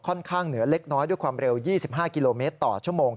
ข้างเหนือเล็กน้อยด้วยความเร็ว๒๕กิโลเมตรต่อชั่วโมง